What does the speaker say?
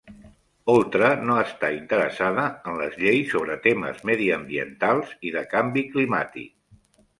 Oltra no està interessada en les lleis sobre temes mediambientals i de canvi climàtic